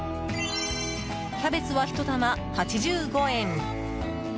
キャベツは、ひと玉８５円。